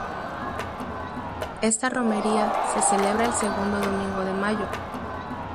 Esta romería se celebra el segundo domingo de mayo.